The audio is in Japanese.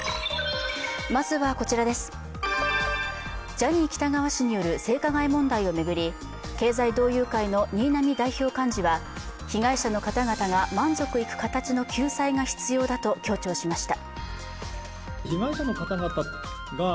ジャニー喜多川氏による性加害問題を巡り経済同友会の新浪代表幹事は、被害者の方々が、満足いく形の救済が必要だと強調しました。